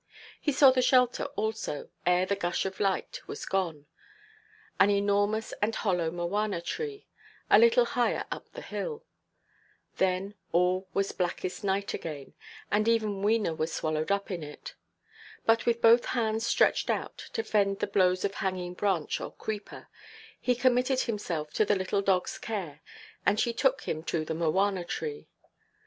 He saw the shelter also, ere the gush of light was gone, an enormous and hollow mowana–tree, a little higher up the hill. Then all was blackest night again; and even Wena was swallowed up in it. But with both hands stretched out, to fend the blows of hanging branch or creeper, he committed himself to the little dogʼs care, and she took him to the mowana–tree.